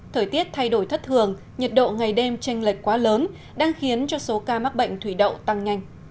thời tiết thay đổi thất thường nhiệt độ ngày đêm tranh lệch quá lớn đang khiến cho số ca mắc bệnh thủy đậu tăng nhanh